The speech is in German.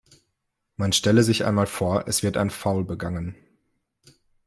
Man stelle sich einmal vor, es wird ein Foul begangen.